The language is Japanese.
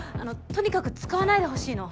とにかく使わないでほしいの。